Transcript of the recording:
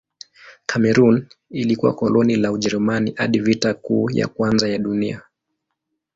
Kamerun ilikuwa koloni la Ujerumani hadi Vita Kuu ya Kwanza ya Dunia.